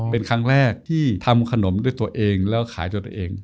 เป็นครั้งแรกที่ทำขนมด้วยตัวเองแล้วขายตัวตัวเอง